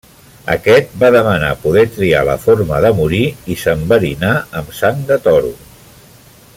Aquest va demanar poder triar la forma de morir, i s'enverinà amb sang de toro.